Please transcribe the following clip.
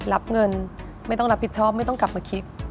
รับเงินไม่ต้องรับผิดชอบไม่ต้องกลับมาคิด